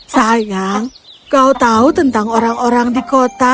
sayang kau tahu tentang orang orang di kota